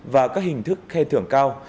và các hình thức khe thưởng cao